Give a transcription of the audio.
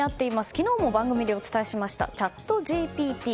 昨日も番組でお伝えしましたチャットＧＰＴ。